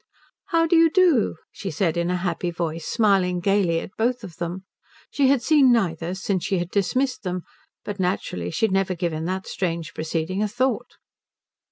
"How do you do," she said in a happy voice, smiling gaily at both of them. She had seen neither since she had dismissed them, but naturally she had never given that strange proceeding a thought.